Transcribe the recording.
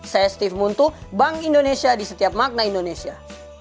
saya steve muntu bank indonesia di setiap makna indonesia